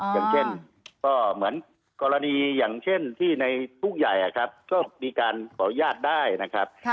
อย่างเช่นกรณีอย่างเช่นที่ในปุ๊กใหญ่ครับก็มีการขออนุญาตได้นะครับ